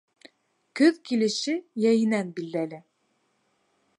Көҙ килеше йәйенән билдәле.